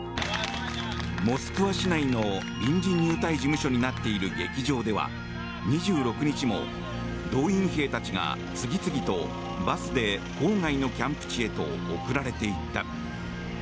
モスクワ市内の臨時入隊事務所になっている劇場では２６日も動員兵たちが次々とバスで郊外のキャンプ地へと送られていった。